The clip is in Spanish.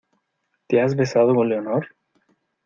¿ te has besado con Leonor?